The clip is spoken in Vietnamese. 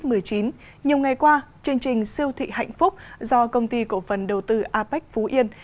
nhiều ngày qua chương trình siêu thị hạnh phúc do công ty cổ phần đầu tư apec phú yên